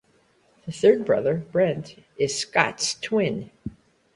The third brother, Brent, is Scott's twin.